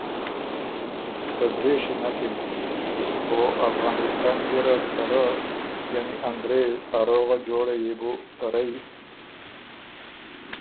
ته درېشی نک اِن او افغانِسان ګیرډ ته رۀ (انګرېز) ا روغه جوړه يې بو ته رئ